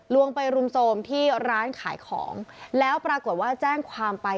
วงไปรุมโทรมที่ร้านขายของแล้วปรากฏว่าแจ้งความไป